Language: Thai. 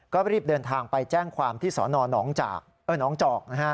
ก็รีบเดินทางไปแจ้งความที่สนหนองจอก